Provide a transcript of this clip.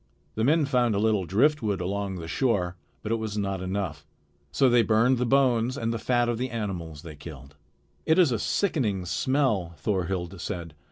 The men found a little driftwood along the shore, but it was not enough. So they burned the bones and the fat of the animals they killed. "It is a sickening smell," Thorhild said.